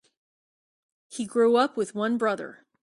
He grew up with one brother.